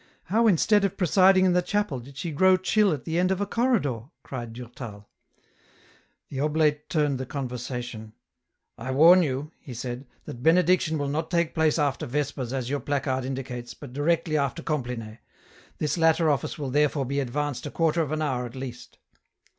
how instead of presiding in the chapel, did she grow chill at the end of a corridor ?" cried Durtal. The oblate turned the conversation —" I warn you," he said, '* that Benediction will not take place after Vespers as your placard indicates, but directly after Compline ; this latter office will therefore be advanced a quarter of an hour at least."